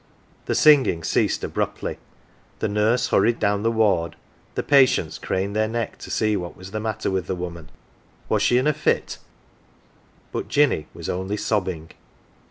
The singing ceased abruptly, the nurse hurried down the ward, the patients craned their necks to see what was the matter with the woman was she in a fit ? But Jinny was only sobbing.